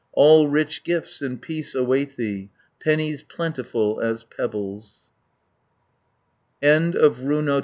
520 All rich gifts in peace await thee, Pennies plentiful as pebbles." RUNO XXIII.